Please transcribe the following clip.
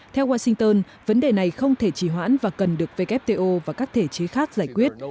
theo washington vấn đề này không thể trì hoãn và cần được wto và các thể chế khác giải quyết